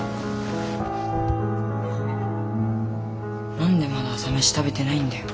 何でまだ朝飯食べてないんだよ。